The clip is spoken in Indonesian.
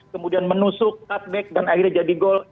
kemudian menusuk cut back dan akhirnya jadi gol